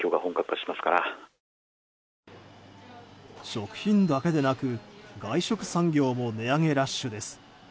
食品だけでなく外食産業も値上げラッシュです。